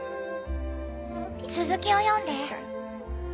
続きを読んで。